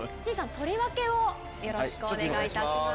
取り分けをよろしくお願いいたします。